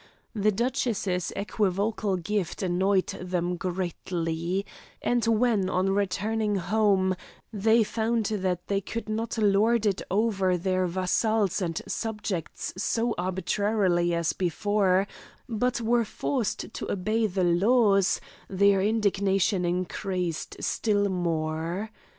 The duchess's equivocal gift annoyed them greatly, and when on returning home, they found that they could not lord it over their vassals and subjects so arbitrarily as before, but were forced to obey the laws, their indignation increased still more.